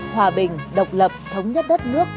hòa bình độc lập thống nhất đất nước